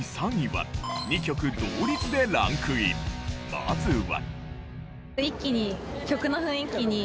まずは。